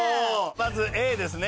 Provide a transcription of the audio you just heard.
まずＡですね。